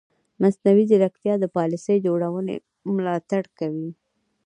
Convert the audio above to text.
مصنوعي ځیرکتیا د پالیسي جوړونې ملاتړ کوي.